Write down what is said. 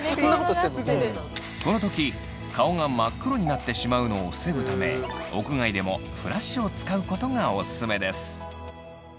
この時顔が真っ黒になってしまうのを防ぐため屋外でもフラッシュを使うことがオススメです。